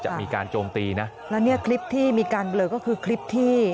จะมีการโจมตีนะแล้วเนี่ยคลิปที่มีการเบลอก็คือคลิปที่